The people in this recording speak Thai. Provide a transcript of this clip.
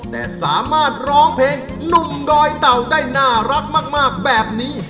แต่สามารถร้องเพลงหนุ่มดอยเต่าได้น่ารักมากแบบนี้